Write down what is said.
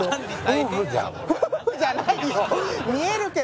夫婦じゃないよ。